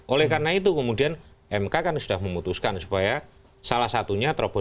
oleh karena itu kemudian mk kan sudah memutuskan supaya salah satunya terobosan